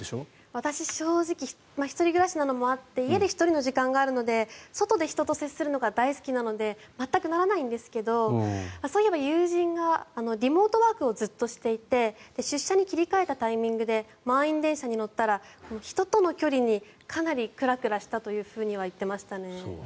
私、正直１人暮らしなのもあって家で１人の時間があるので外で人と接するのが大好きなので全くならないんですけどそういえば友人がリモートワークをずっとしていて出社に切り替えたタイミングで満員電車に乗ったら人との距離にかなりクラクラしたとは言ってましたね。